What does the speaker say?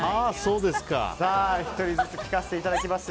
１人ずつ聞かせていただきます。